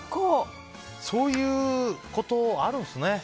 そういうことあるんですね。